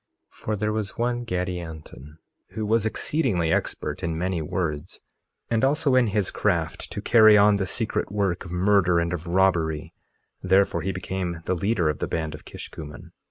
2:4 For there was one Gadianton, who was exceedingly expert in many words, and also in his craft, to carry on the secret work of murder and of robbery; therefore he became the leader of the band of Kishkumen.